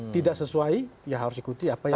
tidak sesuai ya harus ikuti apa yang